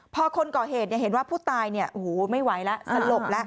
พอคนก่อเหตุเห็นว่าผู้ตายไม่ไหวแล้วสลบแล้ว